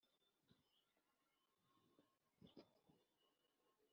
Ibindi byose bitagaragara muri aya mategeko